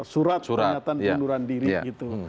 surat pernyataan pengunduran diri gitu